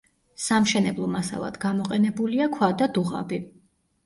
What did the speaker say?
სამშენებლო მასალად გამოყენებულია ქვა და დუღაბი.